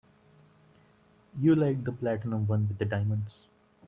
You liked the platinum one with the diamonds.